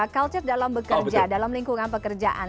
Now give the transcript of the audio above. culture dalam bekerja dalam lingkungan pekerjaan